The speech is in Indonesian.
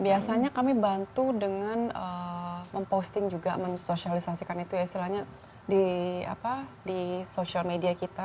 biasanya kami bantu dengan memposting juga mensosialisasikan itu ya istilahnya di sosial media kita